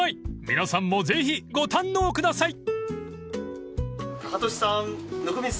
［皆さんもぜひご堪能ください］